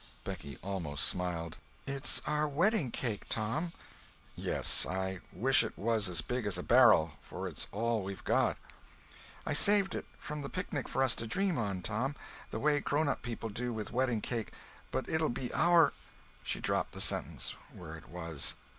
Becky almost smiled. "It's our wedding cake, Tom." "Yes—I wish it was as big as a barrel, for it's all we've got." "I saved it from the picnic for us to dream on, Tom, the way grownup people do with wedding cake—but it'll be our—" She dropped the sentence where it was.